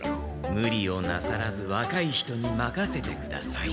ムリをなさらずわかい人にまかせてください。